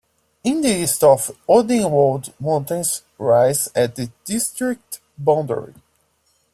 In the east the Odenwald mountains rise at the district boundary.